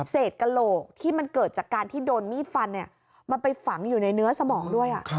กระโหลกที่มันเกิดจากการที่โดนมีดฟันมันไปฝังอยู่ในเนื้อสมองด้วย